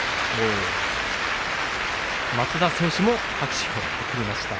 松田選手も拍手を送りました。